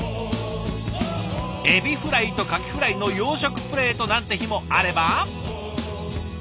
エビフライとカキフライの洋食プレートなんて日もあれば。